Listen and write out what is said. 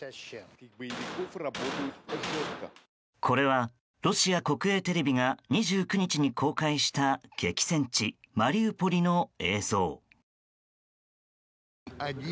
これはロシア国営テレビが２９日に公開した激戦地マリウポリの映像。